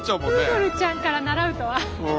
プードルちゃんから習うとは。